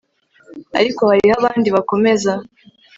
ariko hariho abandi bakomeza